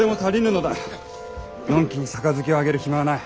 のんきに杯をあげる暇はない。